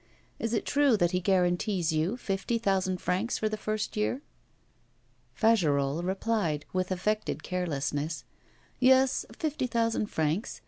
'Is it true that he guarantees you fifty thousand francs for the first year?' Fagerolles replied, with affected carelessness, 'Yes, fifty thousand francs.